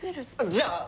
じゃあ！